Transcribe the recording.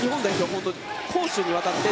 本当、攻守にわたって。